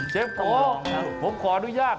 เจฟโกผมขอดูยาก